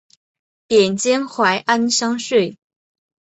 贬监怀安商税。